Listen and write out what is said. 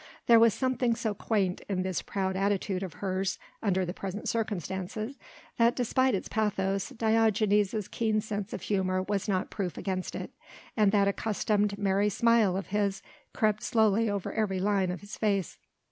There was something so quaint in this proud attitude of hers under the present circumstances, that despite its pathos Diogenes' keen sense of humour was not proof against it, and that accustomed merry smile of his crept slowly over every line of his face.